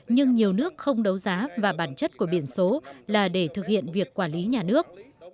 nhưng nhiều nước không đấu giá và bản chất của biển số là để thực hiện việc quản lý nhà nước